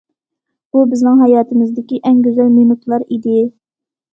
بۇ بىزنىڭ ھاياتىمىزدىكى ئەڭ گۈزەل مىنۇتلار ئىدى.